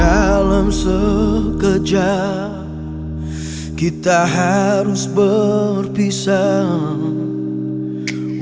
dalam sekejap kita harus berpisah